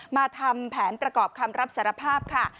มาทำแผนประกอบคำรับสารภาพค่ะ